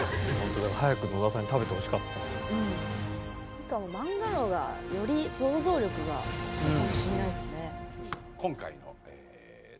しかも漫画の方がより想像力がつくかもしんないですね。